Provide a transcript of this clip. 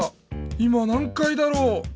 今何かいだろう？